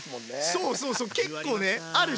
そうそうそう結構ねあるじゃん。